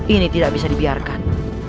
ini tidak bisa dibiarkan